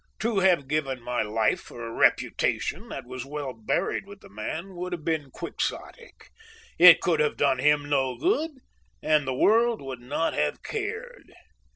To have given my life for a reputation that was well buried with the man, would have been quixotic. It could have done him no good, and the world would not have cared.